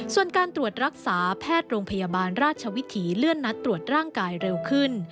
ส่วนการตรวจรักษาแพทย์โรงพยาบาลราชวิถีเลื่อนนัดตรวจร่างกายเร็วขึ้น